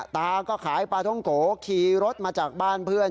ตาก็ขายปลาท่องโกขี่รถมาจากบ้านเพื่อน